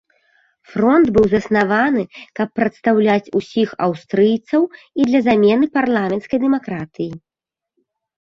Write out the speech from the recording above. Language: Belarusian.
Фронт быў заснаваны, каб прадстаўляць ўсіх аўстрыйцаў і для замены парламенцкай дэмакратыі.